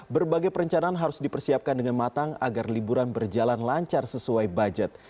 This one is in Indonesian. berbagai perencanaan harus dipersiapkan dengan matang agar liburan berjalan lancar sesuai budget